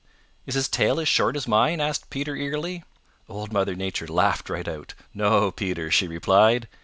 "Is his tail as short as mine?" asked Peter eagerly. Old Mother Nature laughed right out. "No, Peter," she replied.